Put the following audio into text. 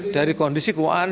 dari kondisi keuangan